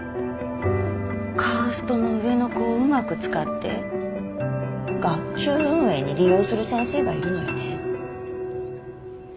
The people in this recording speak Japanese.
カーストの上の子をうまく使って学級運営に利用する先生がいるのよね。